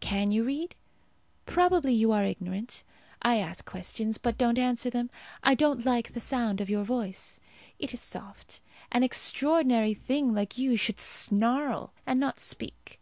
Can you read? Probably you are ignorant. I ask questions, but don't answer them. I don't like the sound of your voice. It is soft. An extraordinary thing like you should snarl, and not speak.